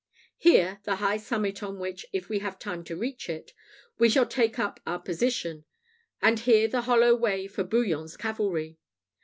Here the high summit, on which, if we have time to reach it, we shall take up our position; and here the hollow way for Bouillon's cavalry.